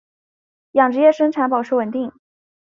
养殖业生产保持稳定。